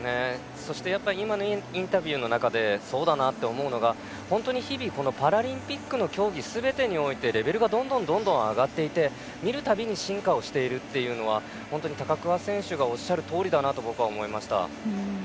そして今のインタビューの中でそうだなと思うのが本当に日々、パラリンピックの競技すべてにおいてレベルがどんどん上がっていて見るたびに進化をしているというのは高桑選手がおっしゃるとおりだと僕は思いました。